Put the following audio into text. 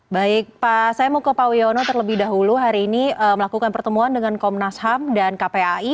baik pak saya mau ke pak wiono terlebih dahulu hari ini melakukan pertemuan dengan komnas ham dan kpai